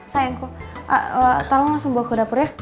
sayangku tolong langsung bawa ke dapur ya